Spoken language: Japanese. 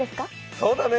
そうだね。